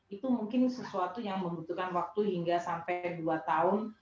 itu mungkin sesuatu yang membutuhkan waktu hingga sampai dua tahun